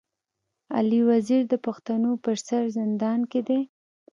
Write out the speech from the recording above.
علي وزير د پښتنو پر سر زندان کي دی.